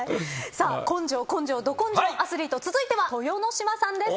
根性根性ど根性アスリート続いては豊ノ島さんです。